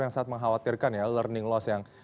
yang sangat mengkhawatirkan ya learning loss yang